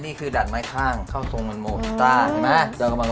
นี่คือดัดไม้ข้างเข้าทรงมันโหมดกีต้าใช่มั้ย